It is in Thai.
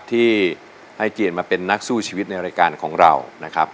ที่ให้เกียรติมาเป็นนักสู้ชีวิตในรายการของเรานะครับ